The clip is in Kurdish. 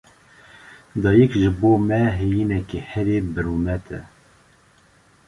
Dayîk, ji bo me heyîneke herî birûmet e.